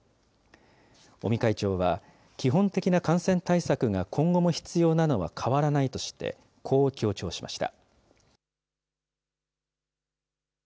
尾身会長は、基本的な感染対策が今後も必要なのは変わらないとして、こう強調しました。